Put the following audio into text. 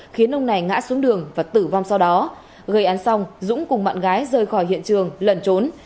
khiến ông này ngã xuống đường và tử vong sau đó gây án xong dũng cùng bạn gái rời khỏi hiện trường lẩn trốn